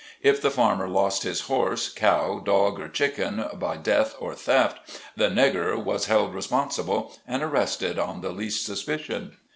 If the farmer lost his horse, cow, dog or chicken, by death, or theft, the "negger" was held responsible, and arrested on the least suspicion.